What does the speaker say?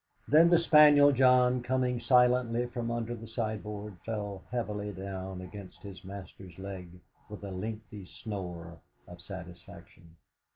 Then the spaniel John, coming silently from under the sideboard, fell heavily down against his master's leg with a lengthy snore of satisfaction.